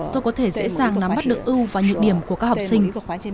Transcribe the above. tôi có thể dễ dàng nắm mắt được ưu và nhị điểm của các học sinh